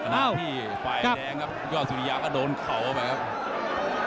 หน้าที่ฝ่ายแดงครับยอดสุริยาก็โดนเข่าไปครับ